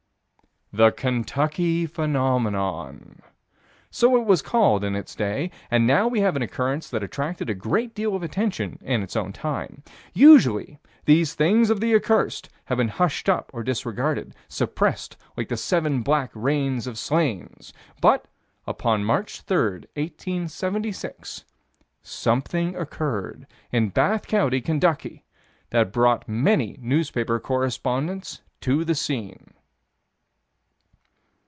"The Kentucky Phenomenon." So it was called, in its day, and now we have an occurrence that attracted a great deal of attention in its own time. Usually these things of the accursed have been hushed up or disregarded suppressed like the seven black rains of Slains but, upon March 3, 1876, something occurred, in Bath County, Kentucky, that brought many newspaper correspondents to the scene.